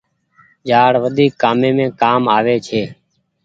جآڙ وڌيڪ ڪآمي مين ڪآم آوي ڇي۔